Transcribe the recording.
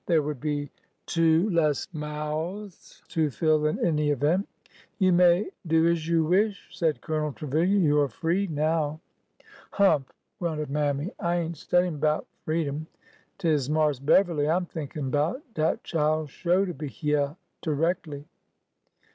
There would be two less mouths to fill, in any event. '' You may do as you wish," said Colonel Trevilian. '' You are free now." Humph !" grunted Mammy ;'' I ain't studyin' 'bout freedom. 'T is Marse Beverly I 'm thinkin' 'bout. Dat chile sho' to be hyeah toreckly."